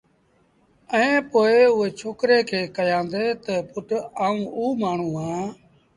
ائيٚݩ پو اُئي ڇوڪري کي ڪيآݩدي تا پُٽ آئوݩ اُ مآڻهوٚٚݩ اَهآݩ